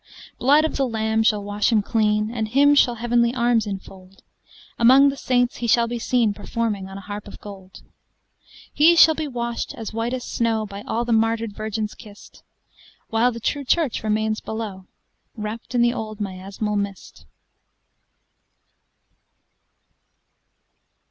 Blood of the Lamb shall wash him cleanAnd him shall heavenly arms enfold, Among the saints he shall be seenPerforming on a harp of gold. He shall be washed as white as snow, By all the martyr'd virgins kist, While the True Church remains belowWrapt in the old miasmal mist.